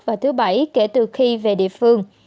và thứ bảy kể từ khi về địa phương